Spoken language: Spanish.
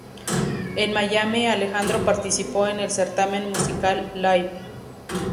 En Miami, Alejandro participó en el certamen musical "Live!